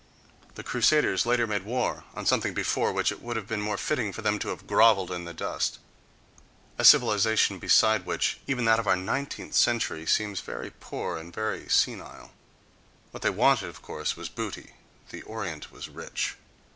The crusaders later made war on something before which it would have been more fitting for them to have grovelled in the dust—a civilization beside which even that of our nineteenth century seems very poor and very "senile."—What they wanted, of course, was booty: the orient was rich....